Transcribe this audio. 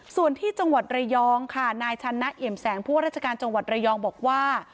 ส่วนที่จังหวัดระยองค่ะนายชันนะเอี่ยมแสงผู้ว่าราชการจังหวัดระยองบอกว่า